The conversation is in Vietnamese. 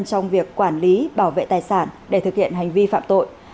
trong việc quản lý bảo vệ tài sản để thực hiện hành vi phạm tội